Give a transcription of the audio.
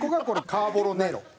これカーボロネロ。